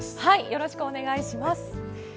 よろしくお願いします。